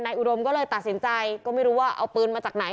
อุดมก็เลยตัดสินใจก็ไม่รู้ว่าเอาปืนมาจากไหน